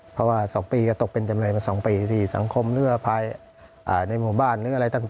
เพราะว่า๒ปีก็ตกเป็นจำเลยมา๒ปี